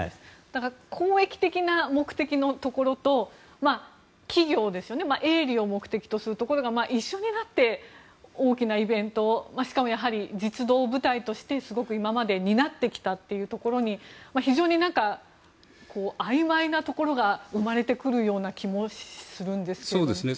だから、公益的な目的のところと企業、営利を目的とするところが一緒になって大きなイベントをしかもやはり実働部隊として今まで担ってきたというところにすごくあいまいなところが生まれてくるような気もするんですけどね。